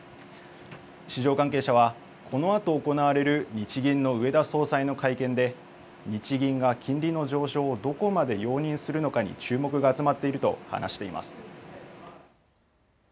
市場関係者はこのあと行われる日銀の植田総裁の会見で日銀が金利の上昇をどこまで容認するのかに注目が集まっていると話しています。